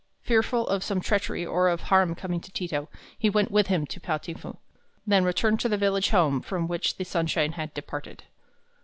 Fearful of some treachery or of harm coming to Ti to, he went with him to Pao ting fu, then returned to the village home from which the sunshine had departed.